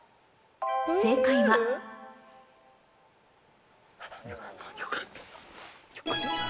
正解はよかった。